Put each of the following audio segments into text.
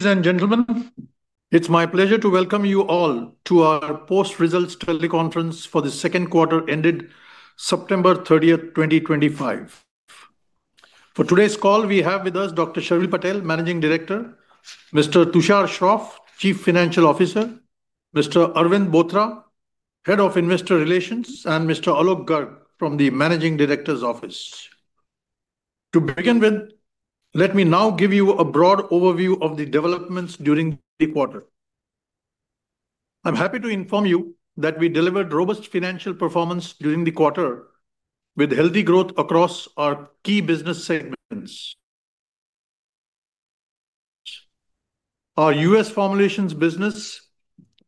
Ladies and gentlemen, it's my pleasure to welcome you all to our Post-Results TeleConference for the second quarter ended September 30th, 2025. For today's call, we have with us Dr. Sharvil Patel, Managing Director; Mr. Tushar Shroff, Chief Financial Officer; Mr. Arvind Bothra, Head of Investor Relations; and Mr. Alok Garg from the Managing Director's Office. To begin with, let me now give you a broad overview of the developments during the quarter. I'm happy to inform you that we delivered robust financial performance during the quarter, with healthy growth across our key business segments. Our U.S. formulations business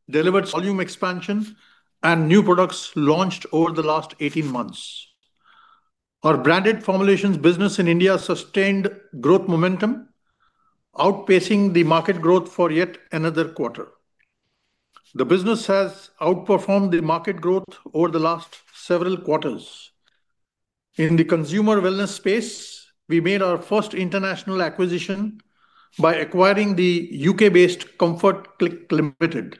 delivered volume expansion and new products launched over the last 18 months. Our branded formulations business in India sustained growth momentum, outpacing the market growth for yet another quarter. The business has outperformed the market growth over the last several quarters. In the consumer wellness space, we made our first international acquisition by acquiring the U.K.-based Comfort Click Limited.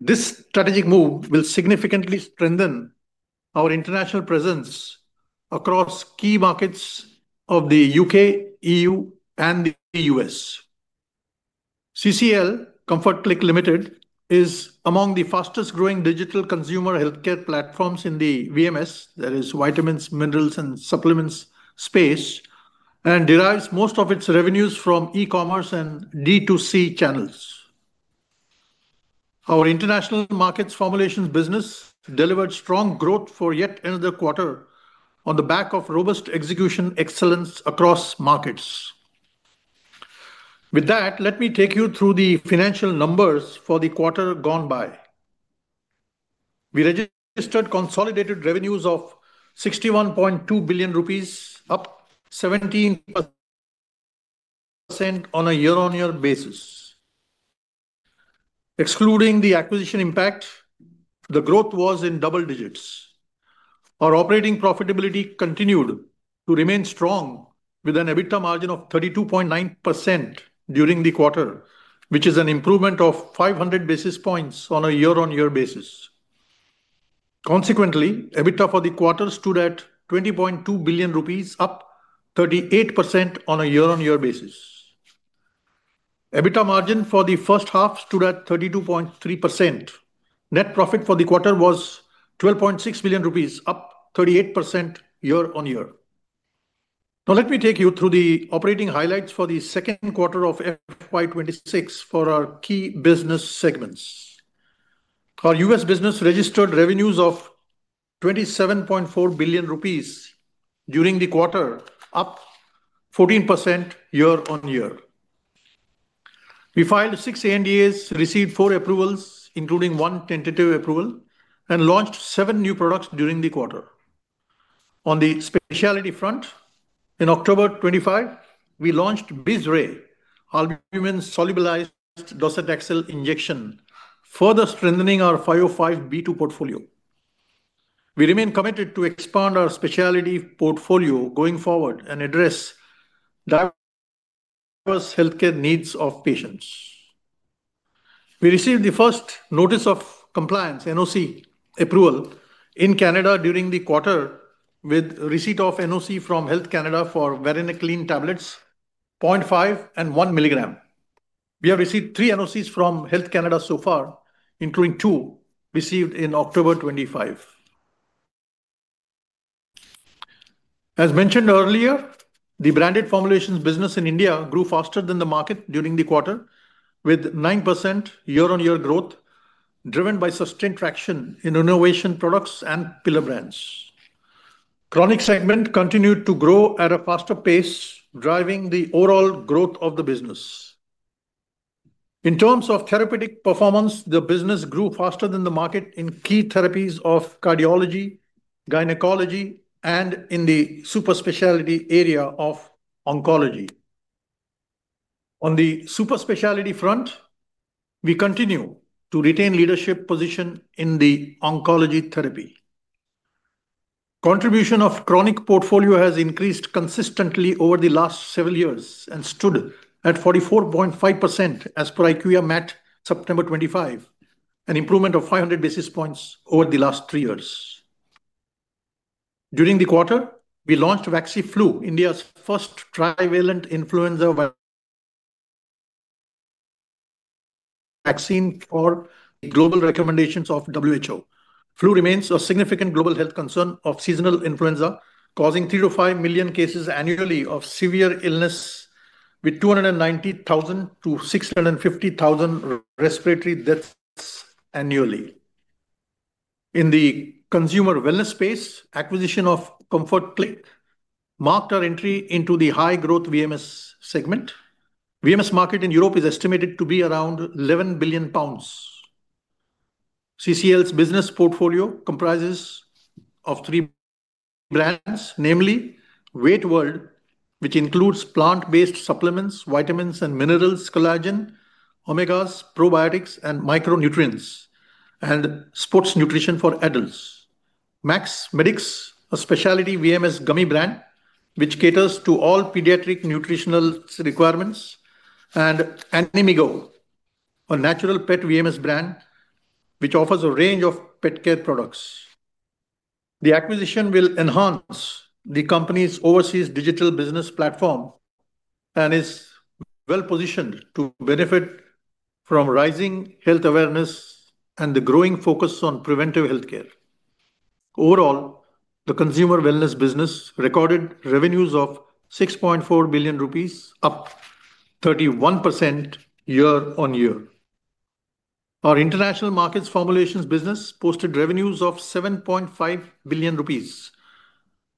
This strategic move will significantly strengthen our international presence across key markets of the U.K., EU, and the U.S.. Comfort Click Limited is among the fastest-growing digital consumer healthcare platforms in the VMS—that is, vitamins, minerals, and supplements—space and derives most of its revenues from e-commerce and D2C channels. Our international markets formulations business delivered strong growth for yet another quarter on the back of robust execution excellence across markets. With that, let me take you through the financial numbers for the quarter gone by. We registered consolidated revenues of 61.2 billion rupees, up 17% on a year-on-year basis. Excluding the acquisition impact, the growth was in double digits. Our operating profitability continued to remain strong, with an EBITDA margin of 32.9% during the quarter, which is an improvement of 500 basis points on a year-on-year basis. Consequently, EBITDA for the quarter stood at 20.2 billion rupees, up 38% on a year-on-year basis. EBITDA margin for the first half stood at 32.3%. Net profit for the quarter was 12.6 billion rupees, up 38% year-on-year. Now, let me take you through the operating highlights for the second quarter of FY 2026 for our key business segments. Our U.S. business registered revenues of 27.4 billion rupees during the quarter, up 14% year-on-year. We filed six ANDAs, received four approvals, including one tentative approval, and launched seven new products during the quarter. On the specialty front, in October 2025, we launched Beizray, albumin-solubilized docetaxel injection, further strengthening our 505(b)(2) portfolio. We remain committed to expand our specialty portfolio going forward and address. Diverse healthcare needs of patients. We received the first Notice of Compliance, NOC approval in Canada during the quarter, with receipt of NOC from Health Canada for Varenicline tablets, 0.5 mg and 1 mg. We have received three NOCs from Health Canada so far, including two received in October 2025. As mentioned earlier, the branded formulations business in India grew faster than the market during the quarter, with 9% year-on-year growth driven by sustained traction in innovation products and pillar brands. Chronic segment continued to grow at a faster pace, driving the overall growth of the business. In terms of therapeutic performance, the business grew faster than the market in key therapies of cardiology, gynecology, and in the super specialty area of oncology. On the super specialty front, we continue to retain a leadership position in the oncology therapy. Contribution of the chronic portfolio has increased consistently over the last several years and stood at 44.5% as per IQVIA MAT September 2025, an improvement of 500 basis points over the last three years. During the quarter, we launched VaxiFlu, India's first trivalent influenza vaccine for global recommendations of WHO. Flu remains a significant global health concern of seasonal influenza, causing 3 million-5 million cases annually of severe illness, with 290,000-650,000 respiratory deaths annually. In the consumer wellness space, acquisition of Comfort Click marked our entry into the high-growth VMS segment. The VMS market in Europe is estimated to be around 11 billion pounds. CCL's business portfolio comprises of three brands, namely WeightWorld, which includes plant-based supplements, vitamins and minerals, collagen, omegas, probiotics, and micronutrients, and sports nutrition for adults. Maxmedix, a specialty VMS gummy brand which caters to all pediatric nutritional requirements, and Animigo, a natural pet VMS brand which offers a range of pet care products. The acquisition will enhance the company's overseas digital business platform. It is well-positioned to benefit from rising health awareness and the growing focus on preventive healthcare. Overall, the consumer wellness business recorded revenues of 6.4 billion rupees, up 31% year-on-year. Our international markets formulations business posted revenues of 7.5 billion rupees,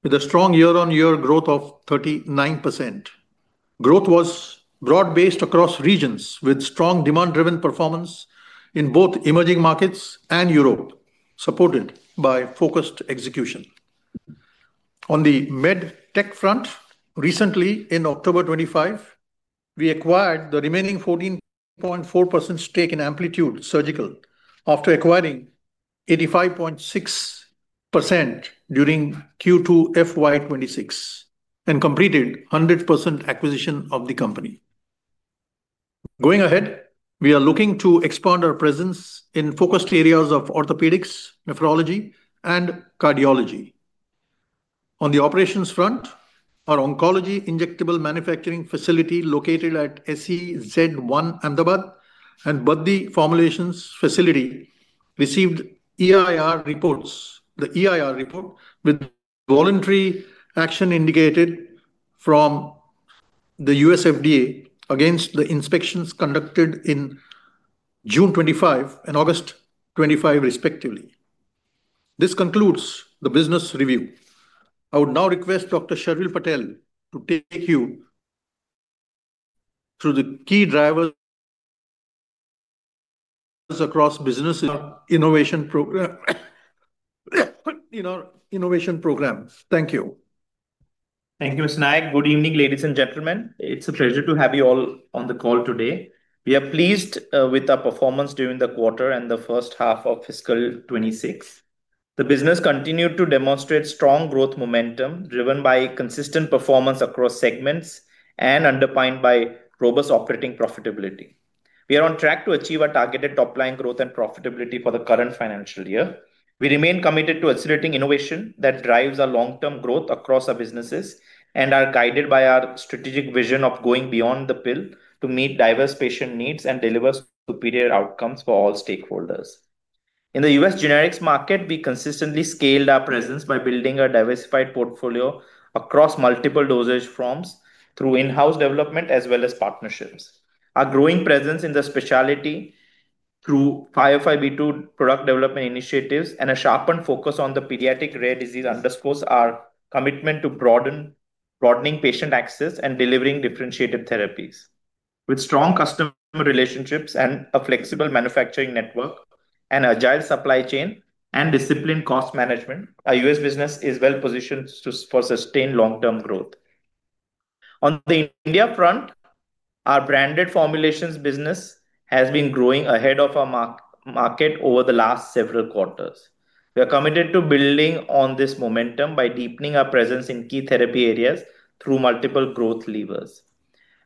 with a strong year-on-year growth of 39%. Growth was broad-based across regions, with strong demand-driven performance in both emerging markets and Europe, supported by focused execution. On the medtech front, recently, in October 2025, we acquired the remaining 14.4% stake in Amplitude Surgical after acquiring 85.6% during Q2 FY 2026 and completed 100% acquisition of the company. Going ahead, we are looking to expand our presence in focused areas of orthopedics, nephrology, and cardiology. On the operations front, our oncology injectable manufacturing facility located at SEZ 1, Ahmedabad and Baddi Formulations Facility received the EIR report with voluntary action indicated from the USFDA against the inspections conducted in June 2025 and August 2025, respectively. This concludes the business review. I would now request Dr. Sharvil Patel to take you through the key drivers across business, our innovation programs. Thank you. Thank you, Mr. Nayak. Good evening, ladies and gentlemen. It's a pleasure to have you all on the call today. We are pleased with our performance during the quarter and the first half of fiscal 2026. The business continued to demonstrate strong growth momentum driven by consistent performance across segments and underpinned by robust operating profitability. We are on track to achieve our targeted top-line growth and profitability for the current financial year. We remain committed to accelerating innovation that drives our long-term growth across our businesses and are guided by our strategic vision of going beyond the pill to meet diverse patient needs and deliver superior outcomes for all stakeholders. In the U.S. generics market, we consistently scaled our presence by building a diversified portfolio across multiple dosage forms through in-house development as well as partnerships. Our growing presence in the specialty through 505(b)(2) product development initiatives and a sharpened focus on the pediatric rare disease underscores our commitment to broadening patient access and delivering differentiated therapies. With strong customer relationships and a flexible manufacturing network and agile supply chain and disciplined cost management, our U.S. business is well-positioned for sustained long-term growth. On the India front, our branded formulations business has been growing ahead of our market over the last several quarters. We are committed to building on this momentum by deepening our presence in key therapy areas through multiple growth levers.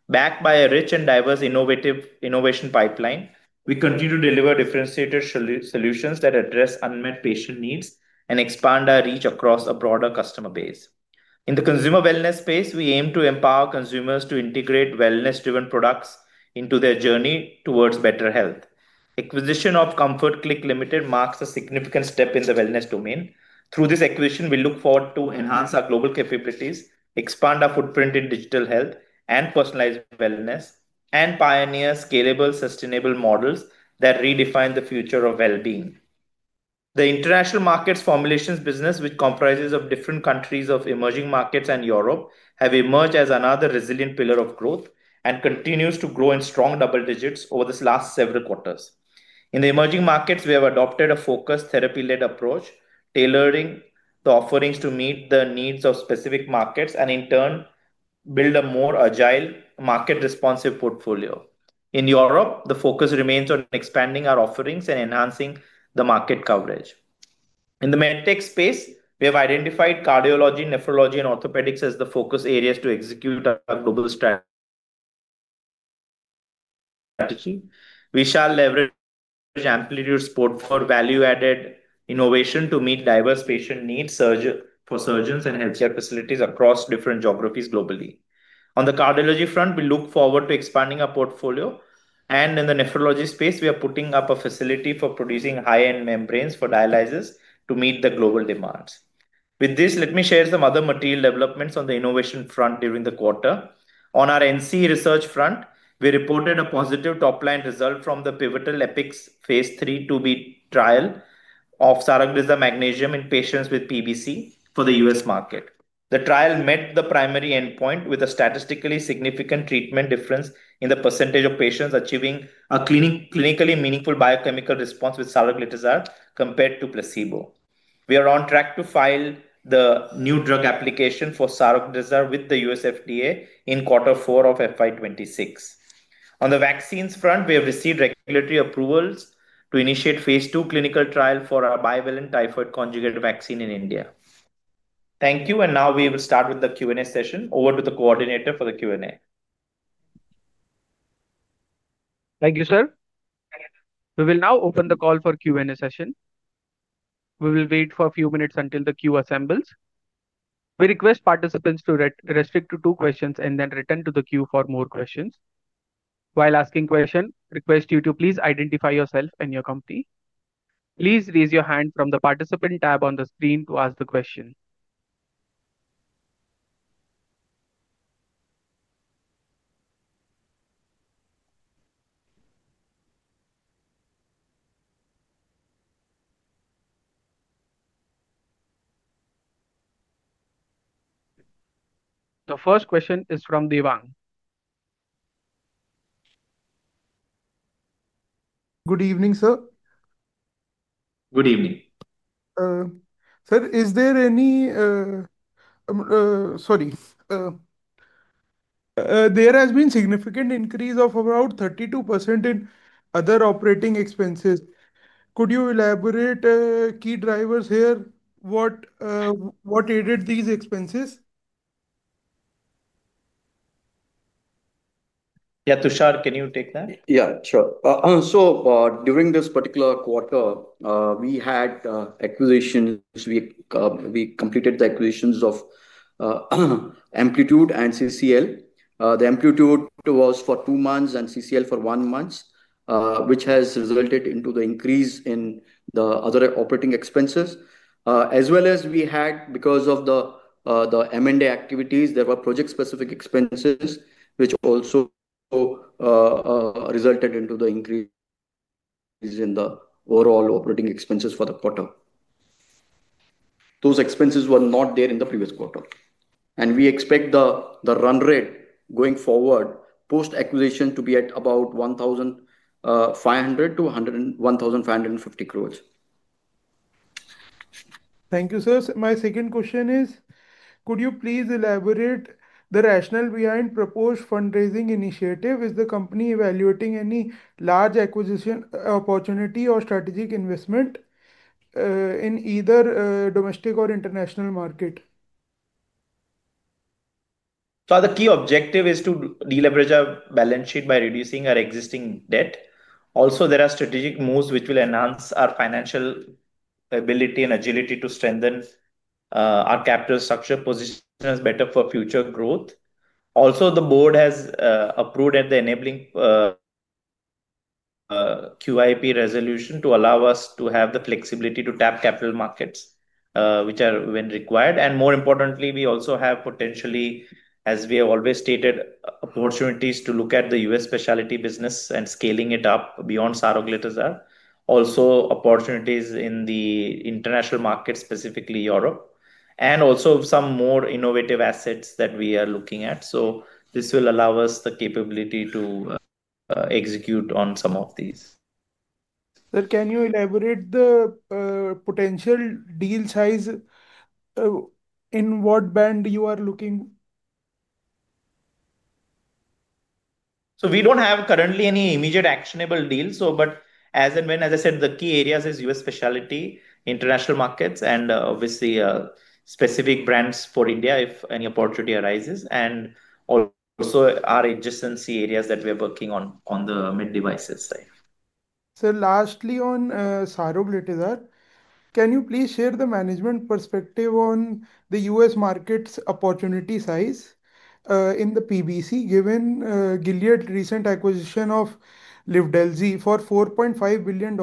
Backed by a rich and diverse innovation pipeline, we continue to deliver differentiated solutions that address unmet patient needs and expand our reach across a broader customer base. In the consumer wellness space, we aim to empower consumers to integrate wellness-driven products into their journey towards better health. Acquisition of Comfort Click Limited marks a significant step in the wellness domain. Through this acquisition, we look forward to enhance our global capabilities, expand our footprint in digital health and personalized wellness, and pioneer scalable, sustainable models that redefine the future of well-being. The international markets formulations business, which comprises different countries of emerging markets and Europe, has emerged as another resilient pillar of growth and continues to grow in strong double digits over the last several quarters. In the emerging markets, we have adopted a focused therapy-led approach, tailoring the offerings to meet the needs of specific markets and, in turn, build a more agile, market-responsive portfolio. In Europe, the focus remains on expanding our offerings and enhancing the market coverage. In the medtech space, we have identified cardiology, nephrology, and orthopedics as the focus areas to execute our global strategy. We shall leverage Amplitude's support for value-added innovation to meet diverse patient needs for surgeons and healthcare facilities across different geographies globally. On the cardiology front, we look forward to expanding our portfolio. In the nephrology space, we are putting up a facility for producing high-end membranes for dialysis to meet the global demands. With this, let me share some other material developments on the innovation front during the quarter. On our NC research front, we reported a positive top-line result from the pivotal EPICS phase III 2(b) trial of Saroglitazar Magnesium in patients with PBC for the U.S. market. The trial met the primary endpoint with a statistically significant treatment difference in the percentage of patients achieving a clinically meaningful biochemical response with Saroglitazar compared to placebo. We are on track to file the new drug application for Saroglitazar with the USFDA in quarter four of FY 2026. On the vaccines front, we have received regulatory approvals to initiate phase II clinical trial for a bivalent typhoid conjugate vaccine in India. Thank you. Now we will start with the Q&A session. Over to the coordinator for the Q&A. Thank you, sir. We will now open the call for Q&A session. We will wait for a few minutes until the queue assembles. We request participants to restrict to two questions and then return to the queue for more questions. While asking questions, request you to please identify yourself and your company. Please raise your hand from the participant tab on the screen to ask the question. The first question is from Devang. Good evening, sir. Good evening. Sir, is there any... Sorry. There has been a significant increase of about 32% in other operating expenses. Could you elaborate on key drivers here? What aided these expenses? Yeah, Tushar, can you take that? Yeah, sure. During this particular quarter, we had acquisitions. We completed the acquisitions of Amplitude and CCL. The Amplitude was for two months and CCL for one month, which has resulted in the increase in the other operating expenses. As well as we had, because of the M&A activities, there were project-specific expenses, which also resulted in the increase in the overall operating expenses for the quarter. Those expenses were not there in the previous quarter. We expect the run rate going forward post-acquisition to be at about 1,500 crore-1,550 crore. Thank you, sir. My second question is, could you please elaborate on the rationale behind the proposed fundraising initiative? Is the company evaluating any large acquisition opportunity or strategic investment in either domestic or international market? The key objective is to deleverage our balance sheet by reducing our existing debt. Also, there are strategic moves which will enhance our financial ability and agility to strengthen our capital structure, positioning us better for future growth. Also, the board has approved the enabling QIP resolution to allow us to have the flexibility to tap capital markets, which are when required. More importantly, we also have potentially, as we have always stated, opportunities to look at the U.S. specialty business and scaling it up beyond Saroglitazar. Also, opportunities in the international market, specifically Europe, and also some more innovative assets that we are looking at. This will allow us the capability to execute on some of these. Sir, can you elaborate on the potential deal size? In what band you are looking? We do not have currently any immediate actionable deals. As I said, the key areas are U.S. specialty, international markets, and obviously specific brands for India if any opportunity arises. Also, our existing areas that we are working on, on the med devices side. Sir, lastly on Saroglitazar, can you please share the management perspective on the U.S. market's opportunity size? In the PBC, given Gilead's recent acquisition of Livdelzi for $4.5 billion,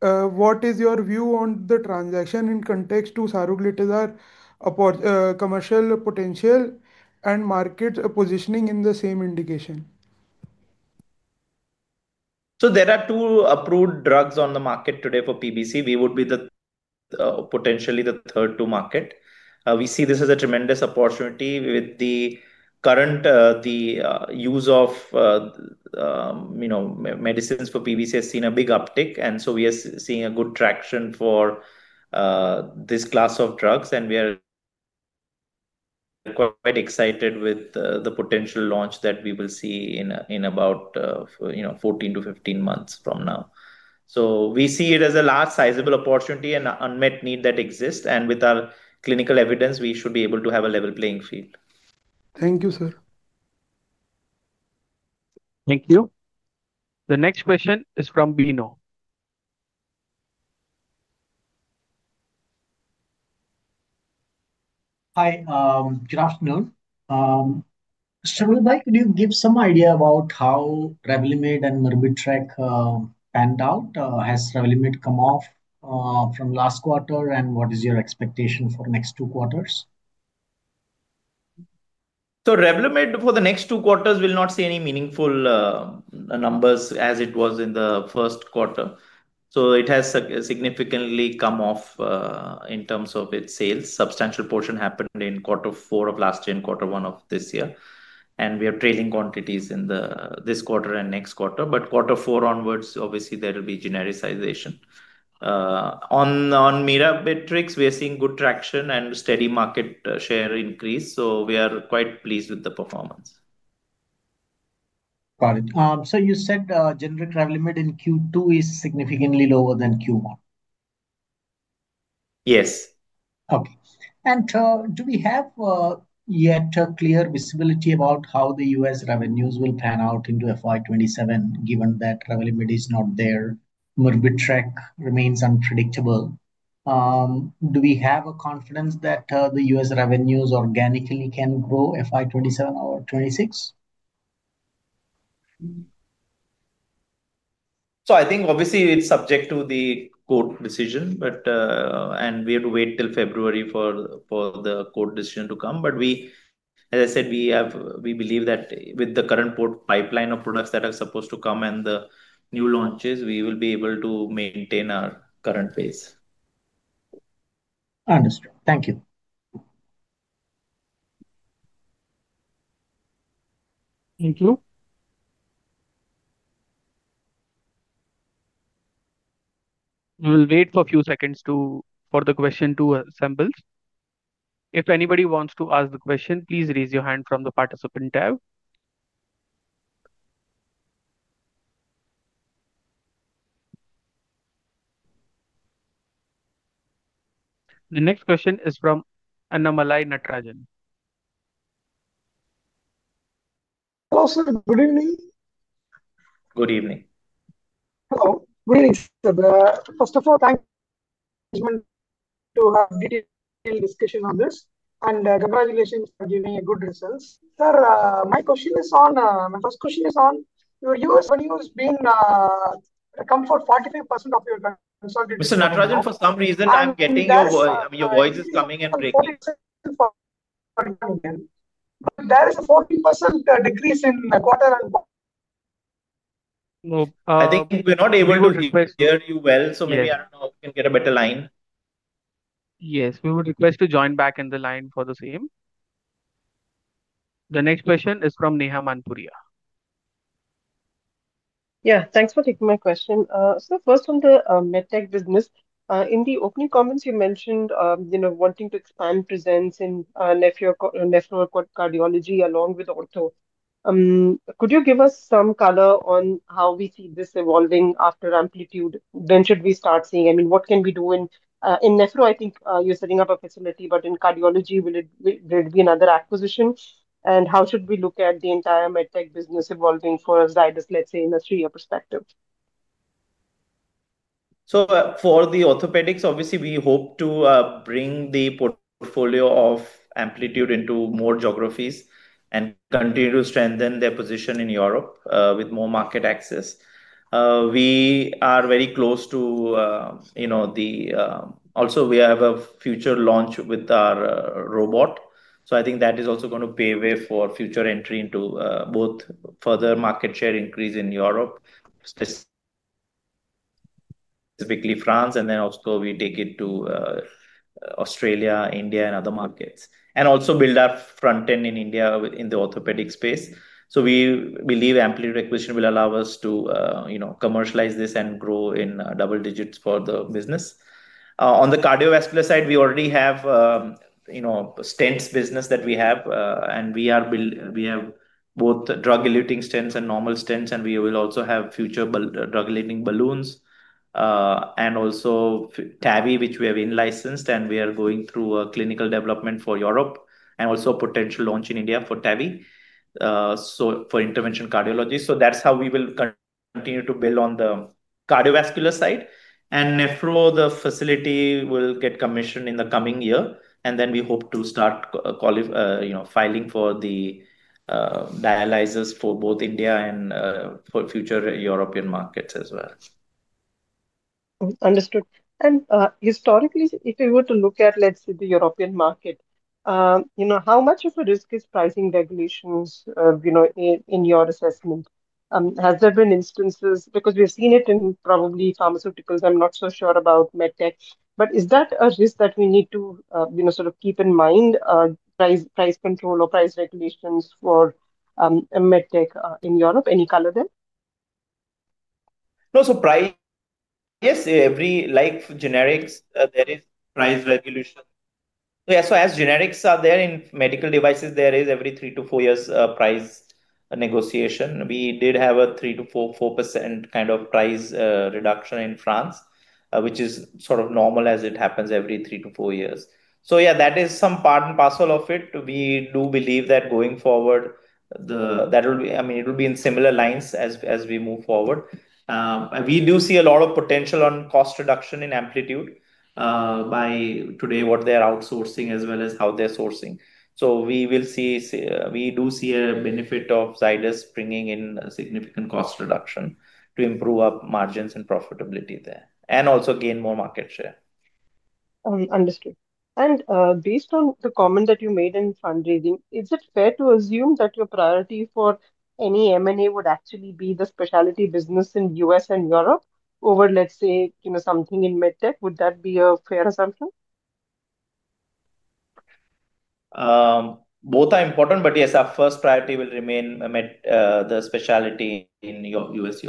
what is your view on the transaction in context to Saroglitazar? Commercial potential and market positioning in the same indication? There are two approved drugs on the market today for PBC. We would be potentially the third-to market. We see this as a tremendous opportunity. The current use of medicines for PBC has seen a big uptick. We are seeing good traction for this class of drugs. We are quite excited with the potential launch that we will see in about 14-15 months from now. We see it as a large sizable opportunity and unmet need that exists. With our clinical evidence, we should be able to have a level playing field. Thank you, sir. Thank you. The next question is from Bino. Hi. Good afternoon. Sir, would you like to give some idea about how Revlimid and Myrbetriq panned out? Has Revlimid come off from last quarter? What is your expectation for the next two quarters? Revlimid for the next two quarters will not see any meaningful numbers as it was in the first quarter. It has significantly come off in terms of its sales. A substantial portion happened in quarter four of last year and quarter one of this year. We are trailing quantities in this quarter and next quarter. Quarter four onwards, obviously, there will be genericization. On Myrbetriq, we are seeing good traction and steady market share increase. We are quite pleased with the performance. Got it. Sir, you said generic Revlimid in Q2 is significantly lower than Q1. Yes. Okay. Do we have yet a clear visibility about how the U.S. revenues will pan out into FY2027, given that Revlimid is not there, Myrbetriq remains unpredictable? Do we have confidence that the U.S. revenues organically can grow FY2027 or FY2026? I think obviously it's subject to the court decision. We have to wait till February for the court decision to come. As I said, we believe that with the current pipeline of products that are supposed to come and the new launches, we will be able to maintain our current pace. Understood. Thank you. Thank you. We will wait for a few seconds for the question to assemble. If anybody wants to ask the question, please raise your hand from the participant tab. The next question is from Annamalai Natarajan. Hello, sir. Good evening. Good evening. Hello. Good evening, sir. First of all, thank you for having a detailed discussion on this. Congratulations for giving good results. Sir, my question is on my first question is on your U.S. revenues being. Come for 45% of your consultants. Mr. Natarajan, for some reason, I'm getting your voice is coming and breaking. There is a 40% decrease in quarter and quarter. I think we're not able to hear you well. Maybe I don't know if we can get a better line. Yes, we would request to join back in the line for the same. The next question is from Neha Manpuria. Yeah, thanks for taking my question. First, on the medtech business, in the opening comments, you mentioned wanting to expand presence in nephro, cardiology along with ortho. Could you give us some color on how we see this evolving after Amplitude? When should we start seeing? I mean, what can we do? In nephro, I think you're setting up a facility, but in cardiology, will it be another acquisition? How should we look at the entire medtech business evolving for Zydus, let's say, in a three-year perspective? For the orthopedics, obviously, we hope to bring the portfolio of Amplitude into more geographies and continue to strengthen their position in Europe with more market access. We are very close to. Also, we have a future launch with our robot. I think that is also going to pave the way for future entry into both further market share increase in Europe, specifically France, and then also we take it to Australia, India, and other markets. Also, build our front end in India in the orthopedic space. We believe Amplitude acquisition will allow us to commercialize this and grow in double digits for the business. On the cardiovascular side, we already have a stents business that we have, and we have both drug-eluting stents and normal stents. We will also have future drug-eluting balloons, and also TAVI, which we have in-licensed. We are going through a clinical development for Europe and also a potential launch in India for TAVI. For intervention cardiology, that is how we will continue to build on the cardiovascular side. Nephro, the facility will get commissioned in the coming year, and then we hope to start filing for the dialysis for both India and for future European markets as well. Understood. Historically, if we were to look at, let's say, the European market, how much of a risk is pricing regulations in your assessment? Has there been instances? Because we have seen it in probably pharmaceuticals. I'm not so sure about medtech, but is that a risk that we need to sort of keep in mind? Price control or price regulations for medtech in Europe? Any color there? No, so price, yes, every, like generics, there is price regulation. As generics are there in medical devices, there is every three to four years price negotiation. We did have a 3%-4% kind of price reduction in France, which is sort of normal as it happens every three to four years. That is some part and parcel of it. We do believe that going forward, that will be, I mean, it will be in similar lines as we move forward. We do see a lot of potential on cost reduction in Amplitude. By today, what they are outsourcing as well as how they're sourcing. We do see a benefit of Zydus bringing in significant cost reduction to improve our margins and profitability there and also gain more market share. Understood. Based on the comment that you made in fundraising, is it fair to assume that your priority for any M&A would actually be the specialty business in the U.S. and Europe over, let's say, something in medtech? Would that be a fair assumption? Both are important, but yes, our first priority will remain the specialty in the U.S.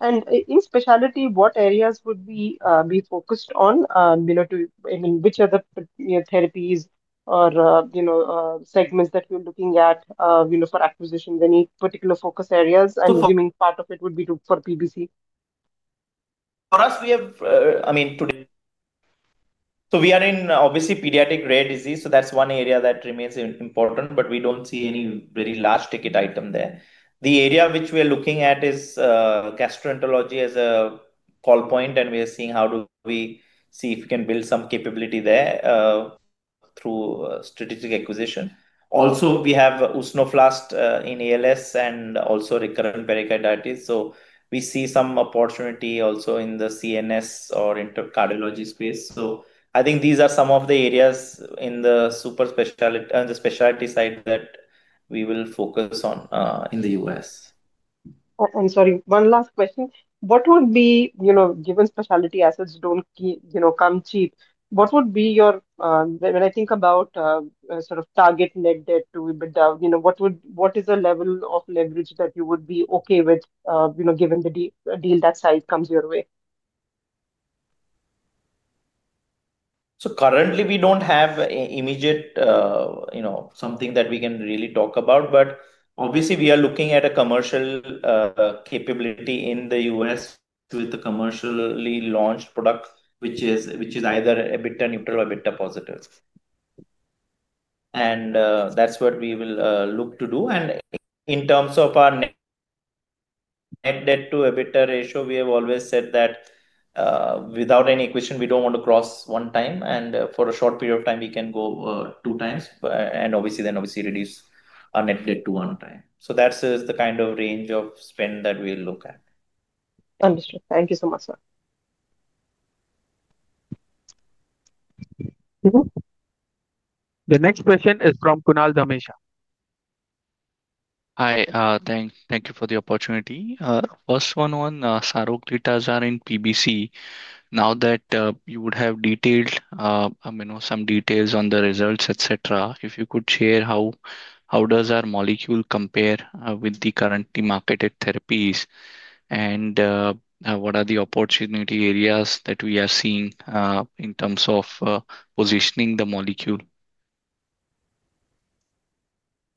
and Europe. In specialty, what areas would we be focused on? I mean, which are the therapies or segments that we're looking at for acquisition? Any particular focus areas? I'm assuming part of it would be for PBC. For us, we have, I mean. We are in, obviously, pediatric rare disease. That is one area that remains important, but we do not see any very large ticket item there. The area which we are looking at is gastroenterology as a call point. We are seeing how do we see if we can build some capability there through strategic acquisition. Also, we have Usnoflast in ALS and also recurrent pericarditis. We see some opportunity also in the CNS or in the cardiology space. I think these are some of the areas in the specialty side that we will focus on in the U.S. I'm sorry, one last question. What would be, given specialty assets don't come cheap, what would be your, when I think about sort of target net debt to EBITDA, what is the level of leverage that you would be okay with, given the deal that side comes your way? Currently, we do not have immediate something that we can really talk about. Obviously, we are looking at a commercial capability in the U.S. with the commercially launched product, which is either EBITDA neutral or EBITDA positive. That is what we will look to do. In terms of our net debt to EBITDA ratio, we have always said that without any equation, we do not want to cross one time. For a short period of time, we can go two times, and obviously then reduce our net debt to one time. That is the kind of range of spend that we will look at. Understood. Thank you so much, sir. The next question is from Kunal Dhamesha. Hi. Thank you for the opportunity. First one on Saroglitazar in PBC. Now that you would have detailed, some details on the results, etc., if you could share how does our molecule compare with the currently marketed therapies? What are the opportunity areas that we are seeing in terms of positioning the molecule?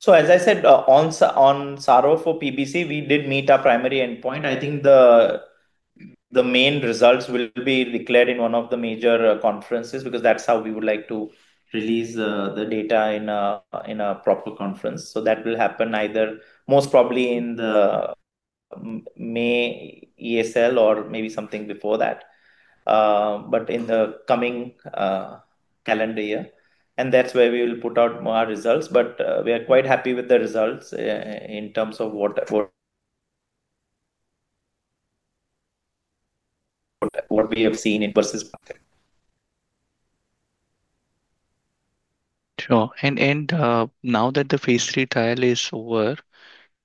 As I said, on Saroglitazar for PBC, we did meet our primary endpoint. I think the main results will be declared in one of the major conferences because that is how we would like to release the data in a proper conference. That will happen either most probably in the May ESL or maybe something before that, but in the coming calendar year. That is where we will put out our results. We are quite happy with the results in terms of what we have seen in versus market. Sure. Now that the phase III trial is over,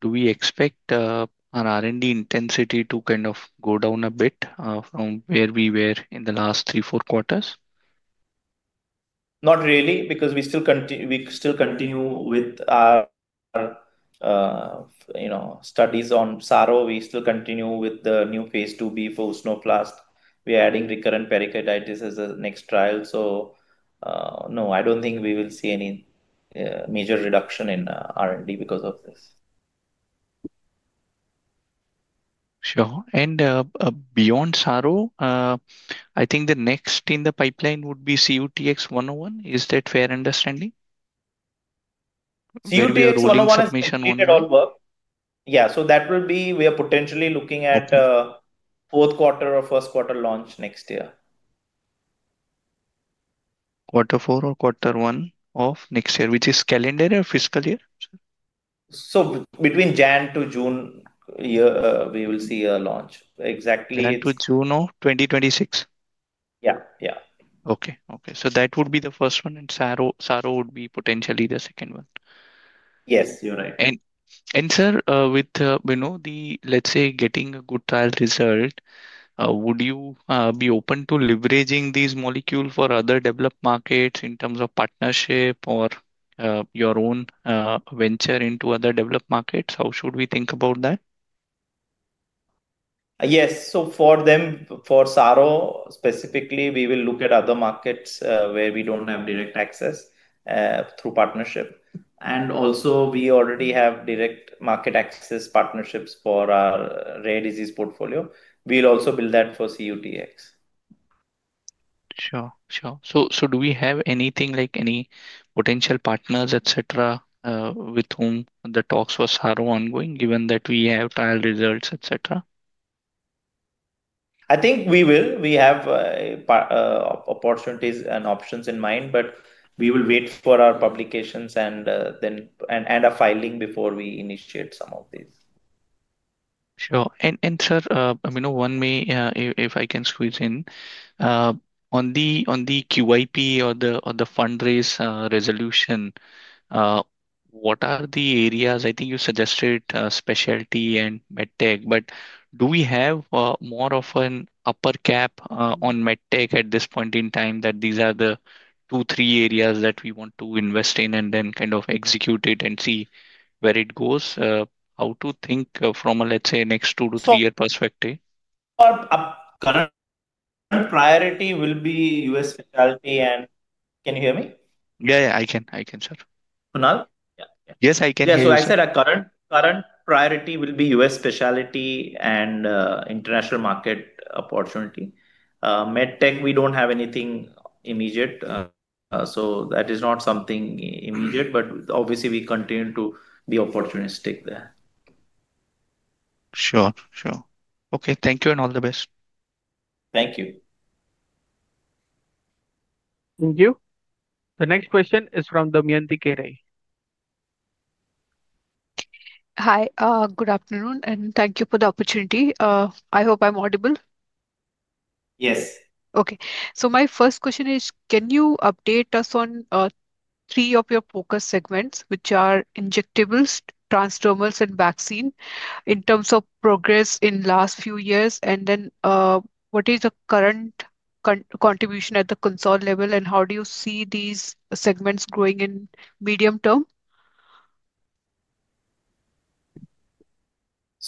do we expect our R&D intensity to kind of go down a bit from where we were in the last three, four quarters? Not really, because we still continue with our studies on Saroglitazar. We still continue with the new phase II B for Usnoflast. We are adding recurrent pericarditis as the next trial. No, I do not think we will see any major reduction in R&D because of this. Sure. And beyond Saroglitazar, I think the next in the pipeline would be CUTX-101. Is that fair understanding? CUTX-101, if we can all work. Yeah. So, that will be we are potentially looking at fourth quarter or first quarter launch next year. Quarter four or quarter one of next year, which is calendar year or fiscal year? Between January to June, we will see a launch. Exactly. January to June of 2026? Yeah. Yeah. Okay. Okay. That would be the first one. And Saroglitazar would be potentially the second one. Yes, you're right. Sir, with, let's say, getting a good trial result, would you be open to leveraging these molecules for other developed markets in terms of partnership or your own venture into other developed markets? How should we think about that? Yes. For them, for Saroglitazar specifically, we will look at other markets where we do not have direct access through partnership. Also, we already have direct market access partnerships for our rare disease portfolio. We will also build that for CUTX-101. Sure. Sure. Do we have anything like any potential partners, etc., with whom the talks for Saroglitazar are ongoing, given that we have trial results, etc.? I think we will. We have opportunities and options in mind, but we will wait for our publications and a filing before we initiate some of these. Sure. And sir, one way, if I can squeeze in. On the QIP or the fundraise resolution. What are the areas? I think you suggested specialty and medtech, but do we have more of an upper cap on medtech at this point in time that these are the two, three areas that we want to invest in and then kind of execute it and see where it goes? How to think from a, let's say, next two to three-year perspective? Our current priority will be U.S. specialty. Can you hear me? Yeah, I can, sir. Kunal? Yes, I can. Yeah. I said our current priority will be U.S. specialty and international market opportunity. Medtech, we do not have anything immediate. That is not something immediate, but obviously, we continue to be opportunistic there. Sure. Sure. Okay. Thank you and all the best. Thank you. Thank you. The next question is from Damayanti Kerai. Hi. Good afternoon. Thank you for the opportunity. I hope I'm audible. Yes. Okay. My first question is, can you update us on three of your focus segments, which are injectables, transdermals, and vaccine, in terms of progress in the last few years? What is the current contribution at the consult level? How do you see these segments growing in medium term?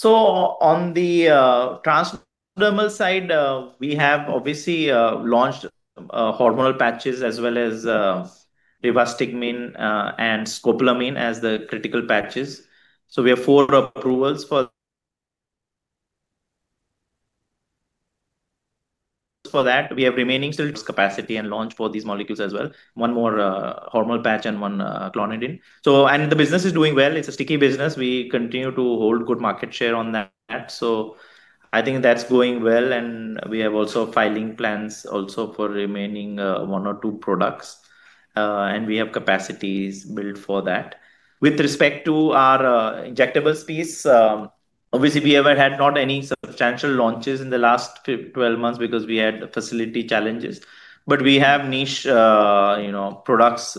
On the transdermal side, we have obviously launched hormonal patches as well as Rivastigmine and Scopolamine as the critical patches. We have four approvals for that. We have remaining still capacity and launch for these molecules as well. One more hormone patch and one Clonidine. The business is doing well. It's a sticky business. We continue to hold good market share on that. I think that's going well. We have also filing plans for remaining one or two products. We have capacities built for that. With respect to our injectables piece, obviously, we have had not any substantial launches in the last 12 months because we had facility challenges. We have niche products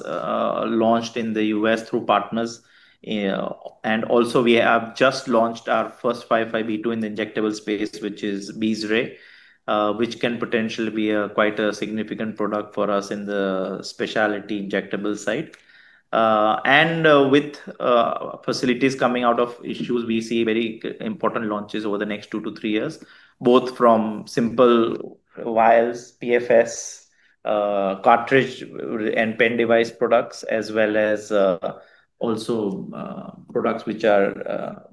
launched in the U.S. through partners. We have just launched our first 505(b)(2) in the injectable space, which is Beizray, which can potentially be quite a significant product for us in the specialty injectable side. With facilities coming out of issues, we see very important launches over the next two to three years, both from simple vials, PFS, cartridge, and pen device products, as well as products which are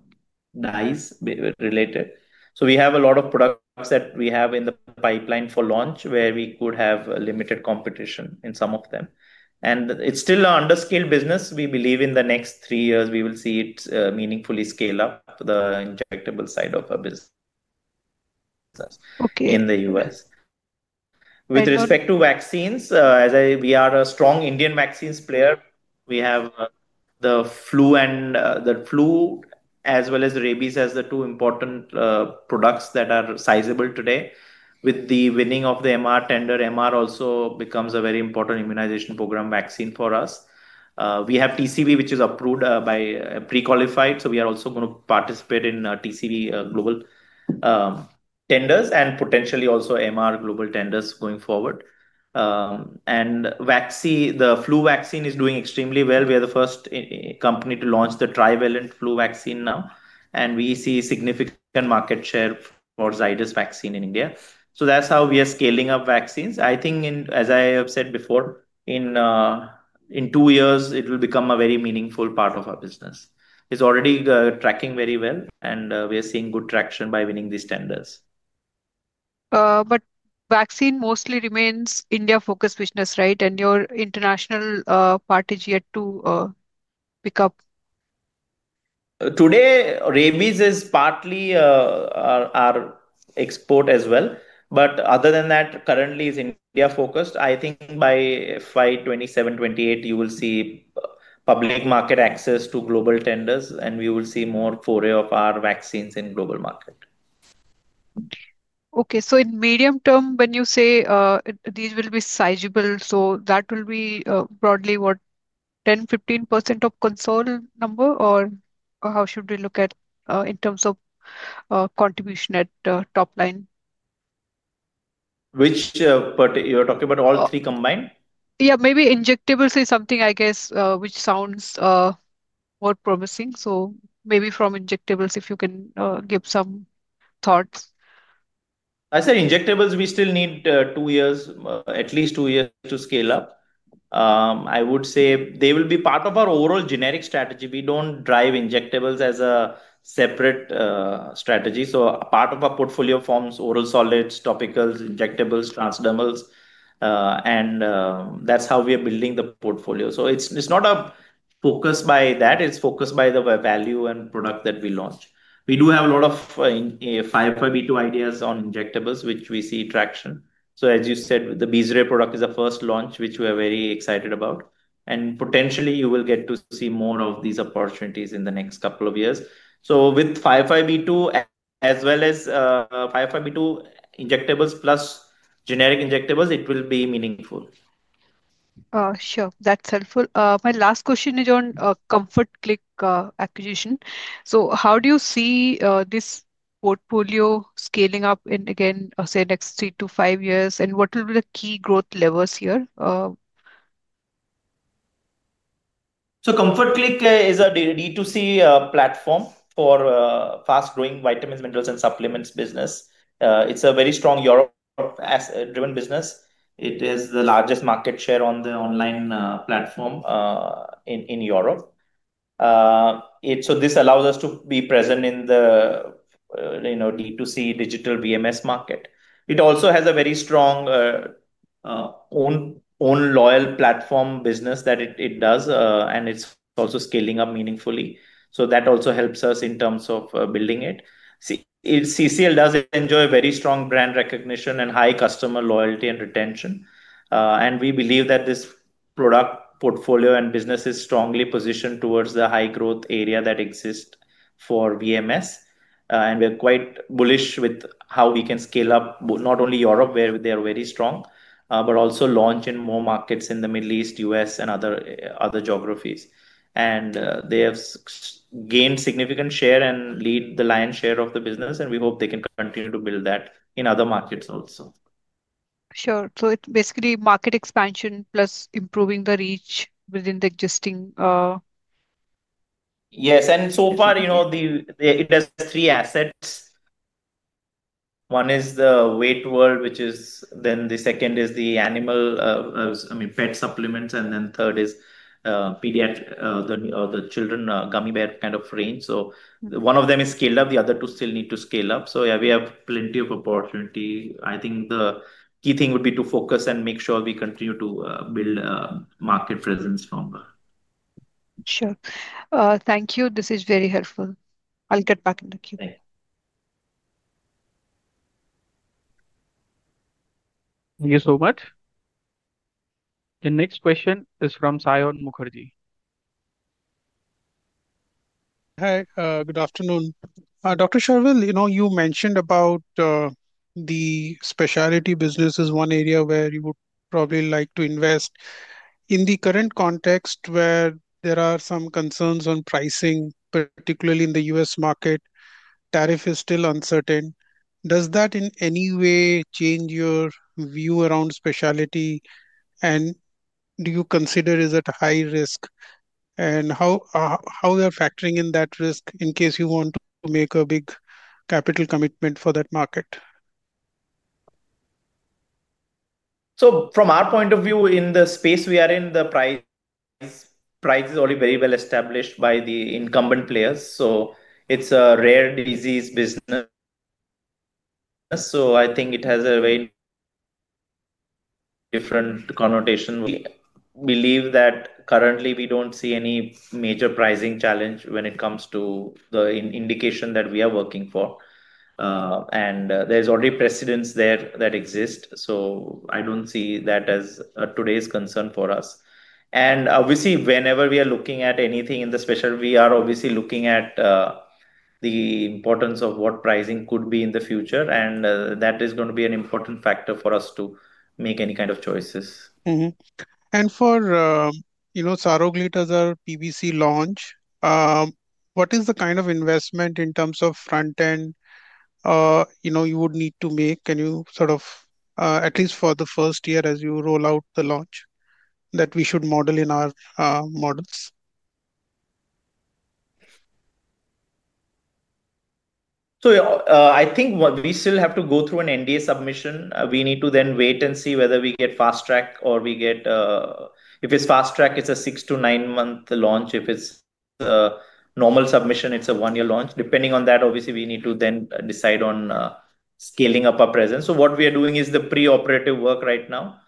[DISE] related. We have a lot of products that we have in the pipeline for launch where we could have limited competition in some of them. It is still an underscaled business. We believe in the next three years, we will see it meaningfully scale up the injectable side of our business in the U.S. With respect to vaccines, as we are a strong Indian vaccines player, we have the flu and the flu, as well as rabies, as the two important. Products that are sizable today. With the winning of the MR tender, MR also becomes a very important immunization program vaccine for us. We have TCV, which is approved by pre-qualified. We are also going to participate in TCV global tenders and potentially also MR global tenders going forward. The flu vaccine is doing extremely well. We are the first company to launch the trivalent flu vaccine now. We see significant market share for Zydus vaccine in India. That is how we are scaling up vaccines. I think, as I have said before, in two years, it will become a very meaningful part of our business. It is already tracking very well, and we are seeing good traction by winning these tenders. Vaccine mostly remains India-focused business, right? Your international part is yet to pick up? Today, rabies is partly our export as well. Other than that, currently, it's India-focused. I think by 2027, 2028, you will see public market access to global tenders, and we will see more foray of our vaccines in global market. Okay. In medium term, when you say these will be sizable, that will be broadly what, 10%-15% of console number, or how should we look at in terms of contribution at top line? Which part? You're talking about all three combined? Yeah. Maybe injectables is something, I guess, which sounds more promising. Maybe from injectables, if you can give some thoughts. I said injectables, we still need two years, at least two years to scale up. I would say they will be part of our overall generic strategy. We do not drive injectables as a separate strategy. Part of our portfolio forms oral solids, topicals, injectables, transdermals. That is how we are building the portfolio. It is not focused by that. It is focused by the value and product that we launch. We do have a lot of 505(b)(2) ideas on injectables, which we see traction. As you said, the Beizray product is a first launch, which we are very excited about. Potentially, you will get to see more of these opportunities in the next couple of years. With 505(b)(2), as well as 505(b)(2) injectables plus generic injectables, it will be meaningful. Sure. That's helpful. My last question is on Comfort Click acquisition. How do you see this portfolio scaling up in, again, say, next three to five years? What will be the key growth levers here? Comfort Click is a D2C platform for fast-growing vitamins, minerals, and supplements business. It's a very strong Europe-driven business. It is the largest market share on the online platform in Europe. This allows us to be present in the D2C digital VMS market. It also has a very strong own loyal platform business that it does, and it's also scaling up meaningfully. That also helps us in terms of building it. CCL does enjoy very strong brand recognition and high customer loyalty and retention. We believe that this product portfolio and business is strongly positioned towards the high-growth area that exists for VMS. We're quite bullish with how we can scale up, not only Europe, where they are very strong, but also launch in more markets in the Middle East, U.S., and other geographies. They have gained significant share and lead the lion's share of the business, and we hope they can continue to build that in other markets also. Sure. It's basically market expansion plus improving the reach within the existing. Yes. So far, it has three assets. One is the WeightWorld, which is then the second is the animal, I mean, pet supplements, and then third is pediatric or the children gummy bear kind of range. One of them is scaled up. The other two still need to scale up. Yeah, we have plenty of opportunity. I think the key thing would be to focus and make sure we continue to build market presence stronger. Sure. Thank you. This is very helpful. I'll get back in the queue. Thank you. Thank you so much. The next question is from Saion Mukherjee. Hi. Good afternoon. Dr. Sharvil, you mentioned about the specialty business as one area where you would probably like to invest. In the current context where there are some concerns on pricing, particularly in the U.S. market, tariff is still uncertain. Does that in any way change your view around specialty? And do you consider it at high risk? How are you factoring in that risk in case you want to make a big capital commitment for that market? From our point of view, in the space we are in, the price is already very well established by the incumbent players. It is a rare disease business. I think it has a very different connotation. We believe that currently, we do not see any major pricing challenge when it comes to the indication that we are working for. There are already precedents that exist. I do not see that as today's concern for us. Obviously, whenever we are looking at anything in the special, we are obviously looking at the importance of what pricing could be in the future. That is going to be an important factor for us to make any kind of choices. For Saroglitazar, PBC launch, what is the kind of investment in terms of front-end you would need to make? Can you sort of, at least for the first year, as you roll out the launch, that we should model in our models? I think we still have to go through an NDA submission. We need to then wait and see whether we get fast track or we get, if it's fast track, it's a six- to nine-month launch. If it's a normal submission, it's a one-year launch. Depending on that, obviously, we need to then decide on scaling up our presence. What we are doing is the pre-operative work right now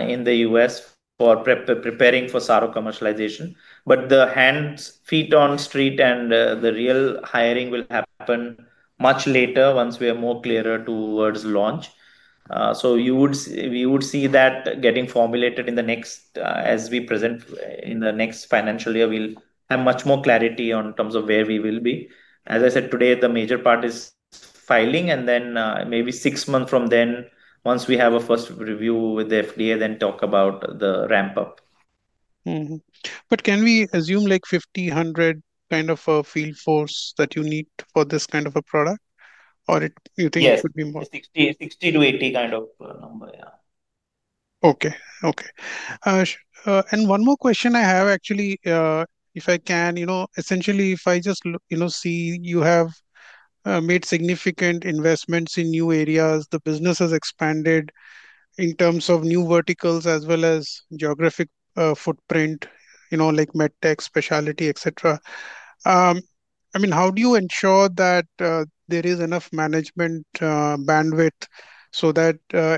in the U.S. for preparing for Saroglitazar commercialization. The hands, feet on the street and the real hiring will happen much later once we are more clearer towards launch. We would see that getting formulated in the next, as we present in the next financial year, we'll have much more clarity on terms of where we will be. As I said, today, the major part is filing, and then maybe six months from then, once we have a first review with the USFDA, then talk about the ramp-up. Can we assume like 50-100 kind of a field force that you need for this kind of a product? Or you think it could be more? Yes. 60-80 kind of number, yeah. Okay. Okay. One more question I have, actually, if I can, essentially, if I just see, you have made significant investments in new areas, the business has expanded in terms of new verticals as well as geographic footprint, like medtech, specialty, etc. I mean, how do you ensure that there is enough management bandwidth so that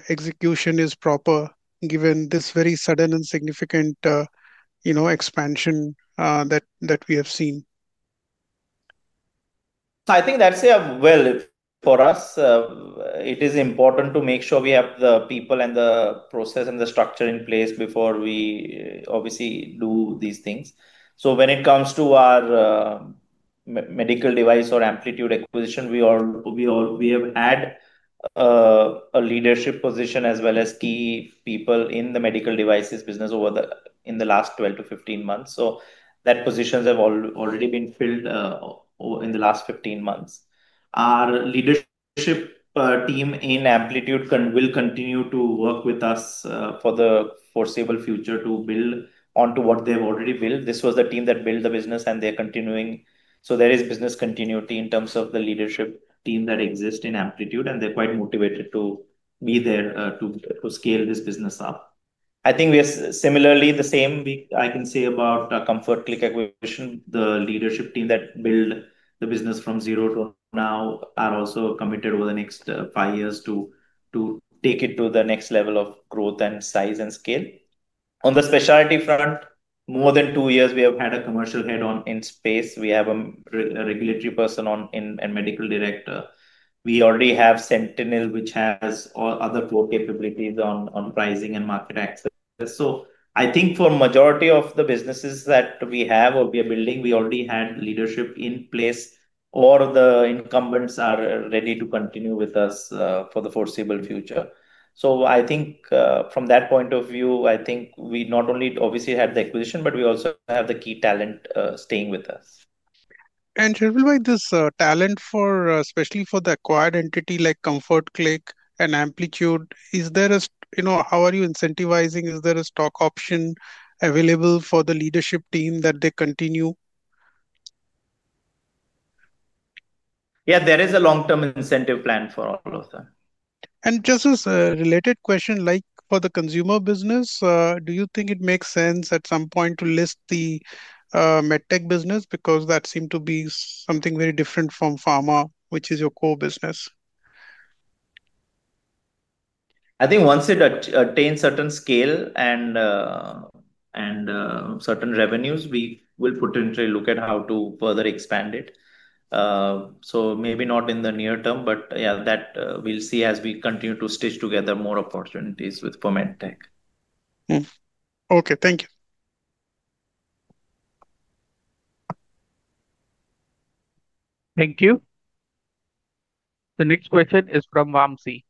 execution is proper, given this very sudden and significant expansion that we have seen? I think that's a well for us. It is important to make sure we have the people and the process and the structure in place before we obviously do these things. When it comes to our medical device or Amplitude acquisition, we have had a leadership position as well as key people in the medical devices business in the last 12 to 15 months. That positions have already been filled. In the last 15 months, our leadership team in Amplitude will continue to work with us for the foreseeable future to build onto what they've already built. This was the team that built the business, and they're continuing. There is business continuity in terms of the leadership team that exists in Amplitude, and they're quite motivated to be there to scale this business up. I think similarly, the same I can say about Comfort Click acquisition. The leadership team that built the business from zero to now are also committed over the next five years to take it to the next level of growth and size and scale. On the specialty front, more than two years, we have had a commercial head in space. We have a regulatory person and medical director. We already have Sentinel, which has other core capabilities on pricing and market access. I think for the majority of the businesses that we have or we are building, we already had leadership in place. All of the incumbents are ready to continue with us for the foreseeable future. I think from that point of view, I think we not only obviously had the acquisition, but we also have the key talent staying with us. Sharvil, this talent, especially for the acquired entity like Comfort Click and Amplitude, is there a, how are you incentivizing? Is there a stock option available for the leadership team that they continue? Yeah, there is a long-term incentive plan for all of them. Just as a related question, like for the consumer business, do you think it makes sense at some point to list the medtech business? Because that seemed to be something very different from pharma, which is your core business. I think once it attains certain scale and certain revenues, we will potentially look at how to further expand it. Maybe not in the near term, but yeah, that we'll see as we continue to stitch together more opportunities with [Po medtech]. Okay. Thank you. Thank you. The next question is from Vamsee.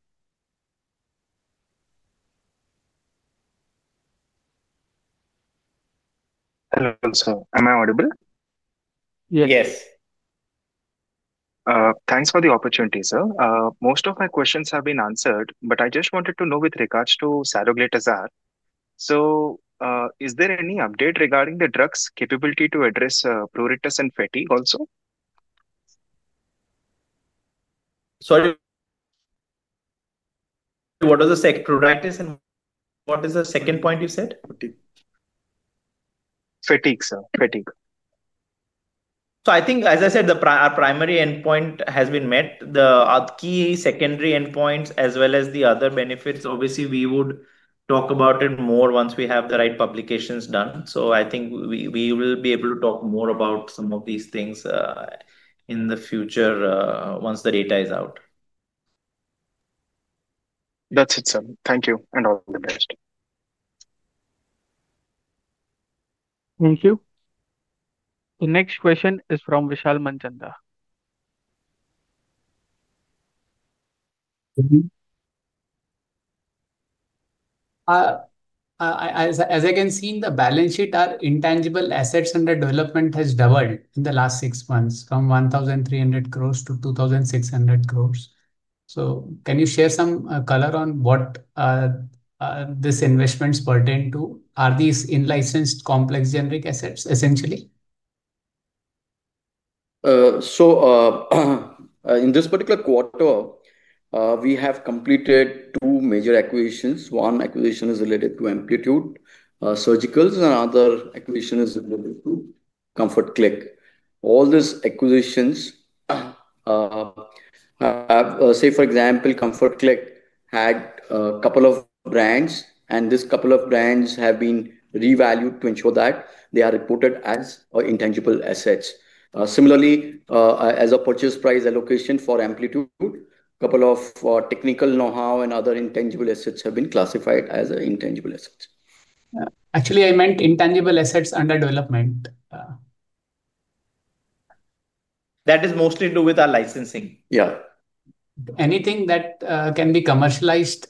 Hello sir. Am I audible? Yes. Thanks for the opportunity, sir. Most of my questions have been answered, but I just wanted to know with regards to Saroglitazarglitazole. Is there any update regarding the drug's capability to address pruritus and fatigue also? Sorry. What was the second? Pruritus and what is the second point you said? Fatigue, sir. Fatigue. I think, as I said, our primary endpoint has been met. The key secondary endpoints, as well as the other benefits, obviously, we would talk about it more once we have the right publications done. I think we will be able to talk more about some of these things in the future once the data is out. That's it, sir. Thank you and all the best. Thank you. The next question is from Vishal Manchanda. As I can see in the balance sheet, our intangible assets under development has doubled in the last six months from 1,300 crores-2,600 crores. Can you share some color on what this investment is pertaining to? Are these in-licensed complex generic assets, essentially? In this particular quarter, we have completed two major acquisitions. One acquisition is related to Amplitude Surgical, and another acquisition is related to Comfort Click. All these acquisitions, for example, Comfort Click had a couple of brands, and these couple of brands have been revalued to ensure that they are reported as intangible assets. Similarly, as a purchase price allocation for Amplitude, a couple of technical know-how and other intangible assets have been classified as intangible assets. Actually, I meant intangible assets under development. That is mostly to do with our licensing. Yeah. Anything that can be commercialized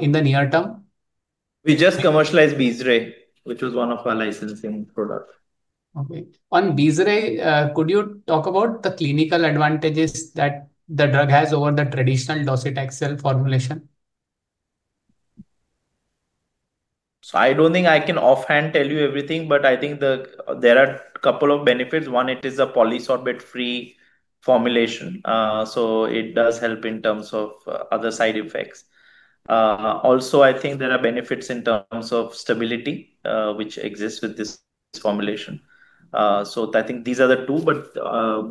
in the near term? We just commercialized Beizray, which was one of our licensing products. Okay. On Beizray, could you talk about the clinical advantages that the drug has over the traditional docetaxel formulation? I don't think I can offhand tell you everything, but I think there are a couple of benefits. One, it is a polysorbit-free formulation. It does help in terms of other side effects. Also, I think there are benefits in terms of stability, which exists with this formulation. I think these are the two, but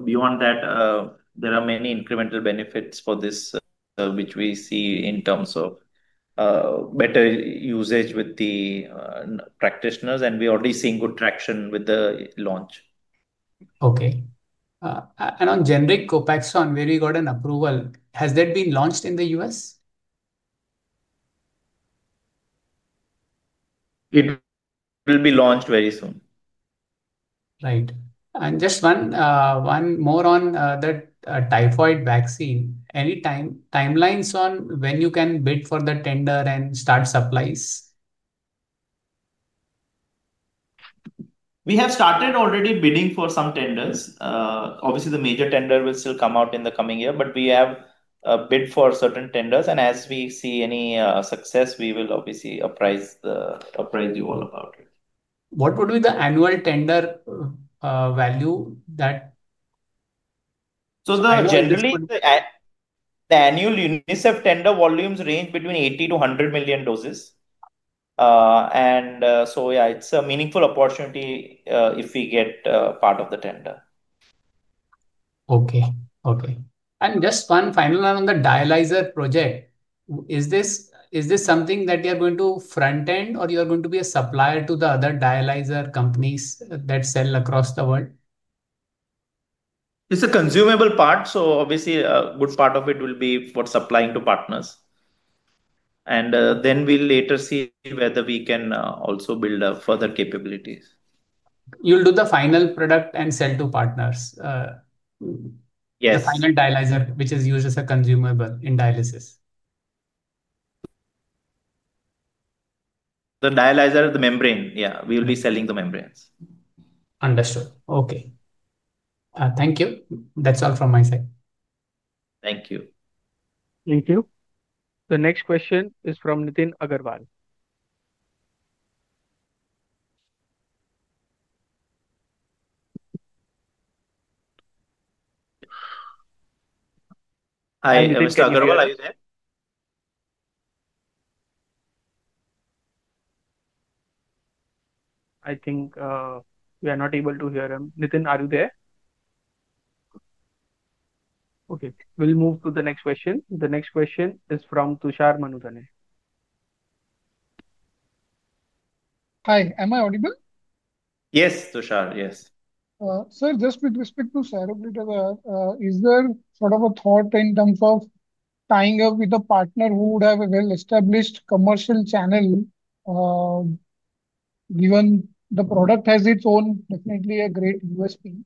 beyond that, there are many incremental benefits for this, which we see in terms of better usage with the practitioners, and we are already seeing good traction with the launch. Okay. On generic Copaxone, where you got an approval, has that been launched in the U.S.? It will be launched very soon. Right. And just one more on the typhoid vaccine. Any timelines on when you can bid for the tender and start supplies? We have started already bidding for some tenders. Obviously, the major tender will still come out in the coming year, but we have bid for certain tenders. As we see any success, we will obviously appraise you all about it. What would be the annual tender value for that? Generally, the annual UNICEF tender volumes range between 80-100 million doses. Yeah, it's a meaningful opportunity if we get part of the tender. Okay. Okay. Just one final one on the dialyzer project. Is this something that you are going to front-end, or you are going to be a supplier to the other dialyzer companies that sell across the world? It's a consumable part. Obviously, a good part of it will be for supplying to partners. Then we'll later see whether we can also build further capabilities. You'll do the final product and sell to partners? Yes. The final dialyzer, which is used as a consumable in dialysis? The dialyzer, the membrane. Yeah. We will be selling the membranes. Understood. Okay. Thank you. That's all from my side. Thank you. Thank you. The next question is from Nitin Agarwal. Hi. Nitin Agarwal, are you there? I think. We are not able to hear him. Nitin, are you there? Okay. We'll move to the next question. The next question is from Tushar Manudane. Hi. Am I audible? Yes, Tushar. Yes. Sir, just with respect to Saroglitazole, is there sort of a thought in terms of tying up with a partner who would have a well-established commercial channel? Given the product has its own, definitely a great [USP].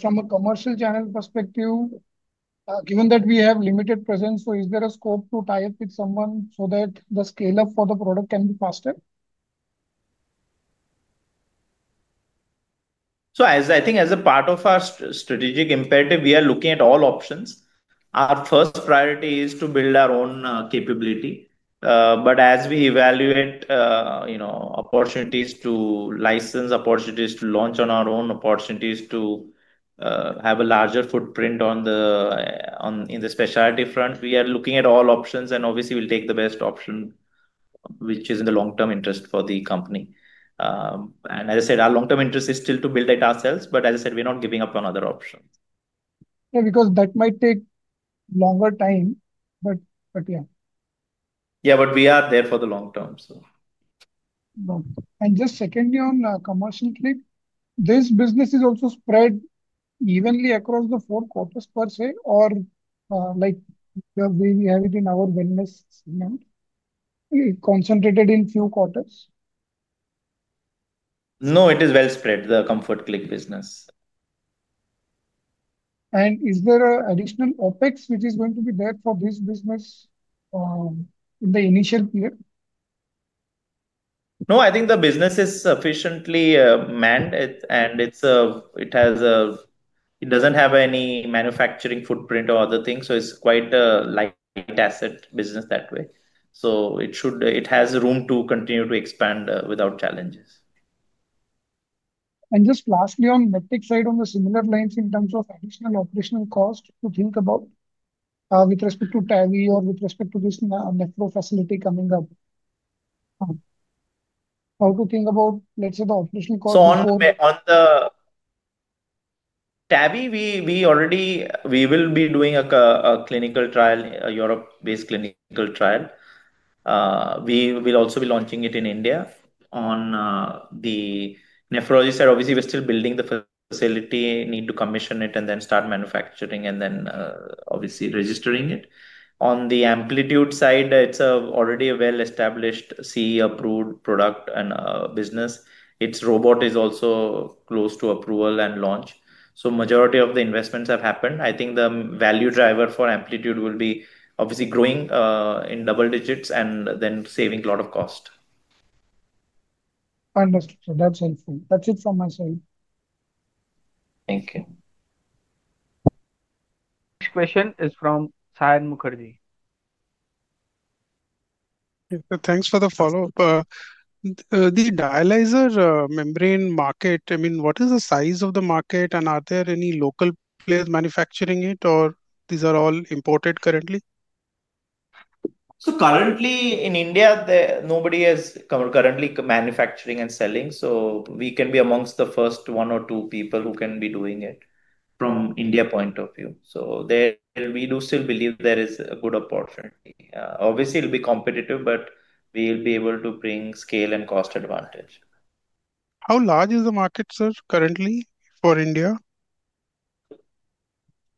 From a commercial channel perspective, given that we have limited presence, is there a scope to tie up with someone so that the scale-up for the product can be faster? I think as a part of our strategic imperative, we are looking at all options. Our first priority is to build our own capability. As we evaluate opportunities to license, opportunities to launch on our own, opportunities to have a larger footprint in the specialty front, we are looking at all options, and obviously, we'll take the best option which is in the long-term interest for the company. As I said, our long-term interest is still to build it ourselves. As I said, we're not giving up on other options. Yeah, because that might take longer time, but yeah. Yeah, we are there for the long term, so. Just secondly on Comfort Click, this business is also spread evenly across the four quarters, per se, or we have it in our wellness segment. Concentrated in few quarters? No, it is well spread, the Comfort Click business. Is there an additional OpEx, which is going to be there for this business in the initial period? No, I think the business is sufficiently manned, and it has a manufacturing footprint or other things. It is quite a light asset business that way. It has room to continue to expand without challenges. Just lastly on Medtech side, on the similar lines in terms of additional operational cost to think about. With respect to TAVI or with respect to this metro facility coming up. How to think about, let's say, the operational cost? On the TAVI, we will be doing a clinical trial, a Europe-based clinical trial. We will also be launching it in India. On the nephrology side, obviously, we're still building the facility, need to commission it, and then start manufacturing, and then obviously registering it. On the Amplitude side, it's already a well-established CE-approved product and business. Its robot is also close to approval and launch. The majority of the investments have happened. I think the value driver for Amplitude will be obviously growing in double digits and then saving a lot of cost. Understood. That's helpful. That's it from my side. Thank you. Next question is from Saion Mukherjee. Thanks for the follow-up. The dialyzer membrane market, I mean, what is the size of the market, and are there any local players manufacturing it, or these are all imported currently? Currently in India, nobody is currently manufacturing and selling. We can be amongst the first one or two people who can be doing it from India point of view. We do still believe there is a good opportunity. Obviously, it'll be competitive, but we'll be able to bring scale and cost advantage. How large is the market, sir, currently for India?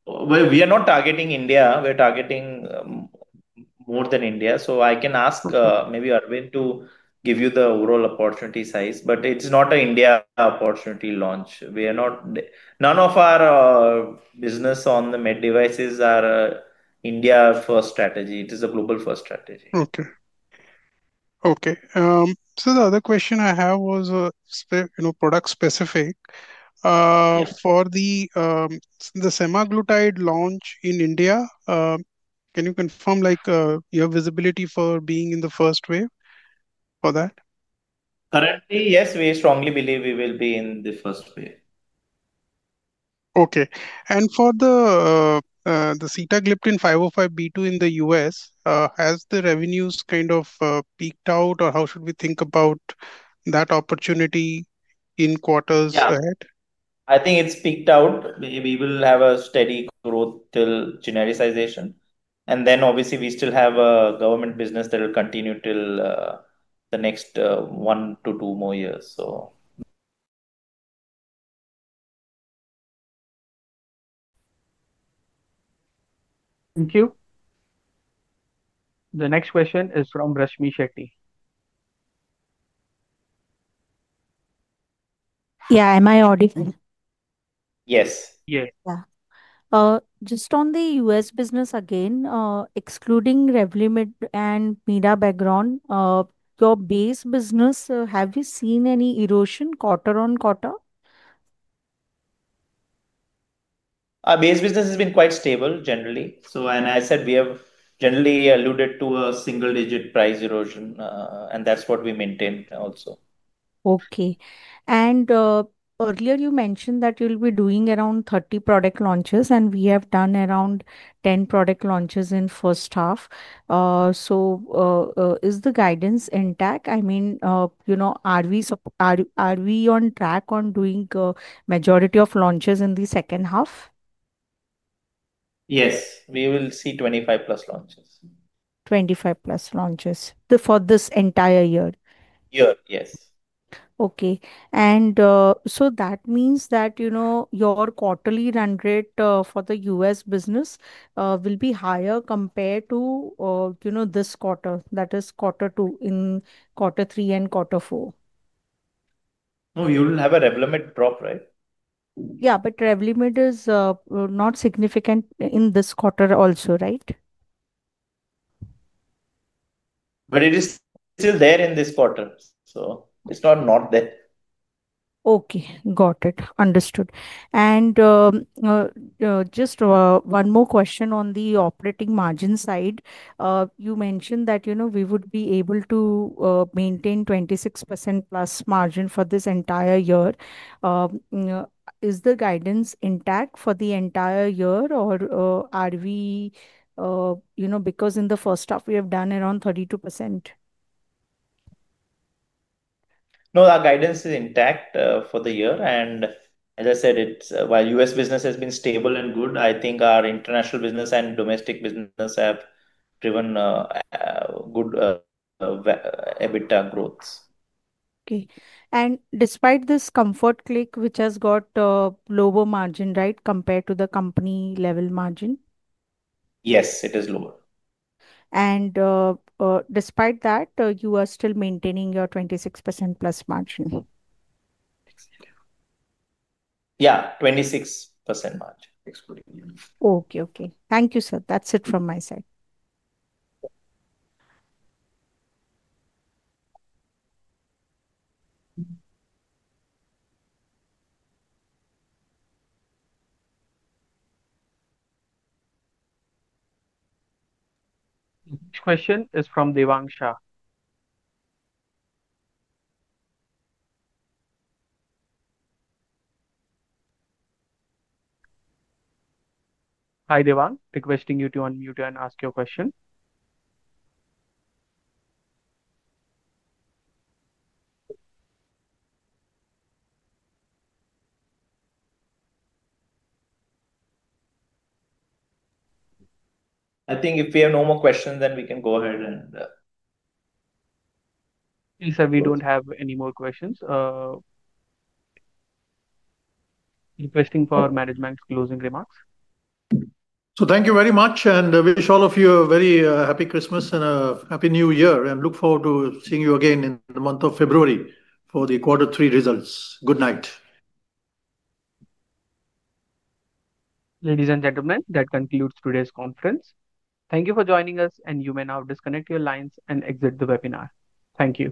We are not targeting India. We're targeting more than India. I can ask maybe Arvind to give you the overall opportunity size, but it's not an India opportunity launch. None of our business on the med devices are India-first strategy. It is a global-first strategy. Okay. Okay. The other question I have was product-specific. For the Semaglutide launch in India, can you confirm your visibility for being in the first wave for that? Currently, yes, we strongly believe we will be in the first wave. Okay. And for the Sitagliptin 505(b)(2) in the U.S., has the revenues kind of peaked out, or how should we think about that opportunity in quarters ahead? Yeah. I think it's peaked out. We will have a steady growth till genericization. Obviously, we still have a government business that will continue till the next one to two more years. Thank you. The next question is from Rashmi Shetty. Yeah. Am I audible? Yes. Yes. Yeah. Just on the U.S. business again, excluding Revlimid and Myrbetriq. Your base business, have you seen any erosion quarter on quarter? Our base business has been quite stable, generally. I said we have generally alluded to a single-digit price erosion, and that's what we maintain also. Okay. Earlier, you mentioned that you'll be doing around 30 product launches, and we have done around 10 product launches in the first half. Is the guidance intact? I mean, are we on track on doing the majority of launches in the second half? Yes. We will see 25-plus launches. 25-plus launches for this entire year? Year. Yes. Okay. That means that your quarterly run rate for the U.S. business will be higher compared to this quarter, that is quarter two, in quarter three and quarter four. Oh, you will have a Revlimid drop, right? Yeah, but Revlimid is not significant in this quarter also, right? It is still there in this quarter. It's not not there. Okay. Got it. Understood. Just one more question on the operating margin side. You mentioned that we would be able to maintain 26%-plus margin for this entire year. Is the guidance intact for the entire year, or are we, because in the first half, we have done around 32%? No, our guidance is intact for the year. As I said, while U.S. business has been stable and good, I think our international business and domestic business have driven good EBITDA growths. Okay. Despite this, Comfort Click, which has got a lower margin, right, compared to the company-level margin? Yes, it is lower. Despite that, you are still maintaining your 26%+ margin? Yeah. 26% margin, excluding. Okay. Okay. Thank you, sir. That's it from my side. Next question is from Devang Shah. Hi, Devang. Requesting you to unmute and ask your question. I think if we have no more questions, then we can go ahead and. Yes, sir, we do not have any more questions. Requesting for management's closing remarks. Thank you very much, and I wish all of you a very happy Christmas and a happy New Year. I look forward to seeing you again in the month of February for the quarter three results. Good night. Ladies and gentlemen, that concludes today's conference. Thank you for joining us, and you may now disconnect your lines and exit the webinar. Thank you.